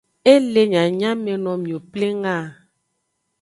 E le nyanyameno miwo pleng a.